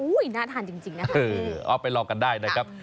อุ้ยหน้าทานจริงจริงนะครับเออเอาไปรอกันได้นะครับ